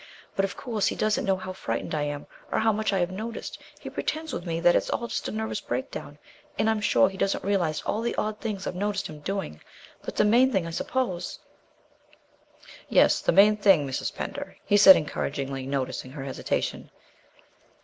But, of course, he doesn't know how frightened I am, or how much I have noticed. He pretends with me that it's just a nervous breakdown, and I'm sure he doesn't realize all the odd things I've noticed him doing. But the main thing, I suppose " "Yes, the main thing, Mrs. Pender," he said encouragingly, noticing her hesitation.